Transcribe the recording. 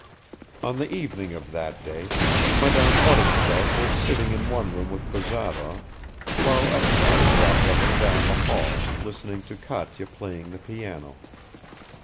On the evening of that day Madame Odintsov was sitting in one room with Bazarov while Arkady walked up and down the hall listening to Katya playing the piano.